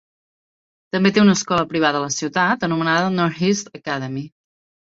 També té una escola privada a la ciutat, anomenada Northeast Academy.